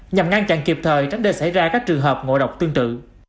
nhằm ngăn chặn kịp thời tránh đưa xảy ra các trường hợp ngộ độc tương trự